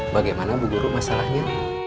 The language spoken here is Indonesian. bagaimana bu guru masalahnya